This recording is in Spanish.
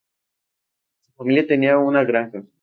Su familia tenía una granja.